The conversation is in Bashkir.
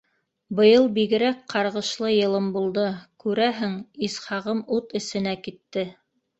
Быйыл бигерәк ҡарғышлы йылым булды, күрәһең, Исхағым ут эсенә китте.